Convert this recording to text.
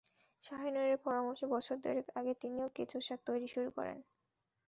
শাহিনূরের পরামর্শে বছর দেড়েক আগে তিনিও কেঁচো সার তৈরি শুরু করেন।